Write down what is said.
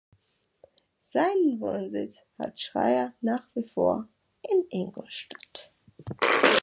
Seinen Wohnsitz hat Schreyer nach wie vor in Ingolstadt.